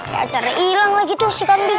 gak cari ilang lagi tuh si kambing